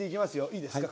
いいですか？